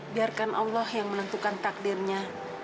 biarkan allah yang menentukan takdirnya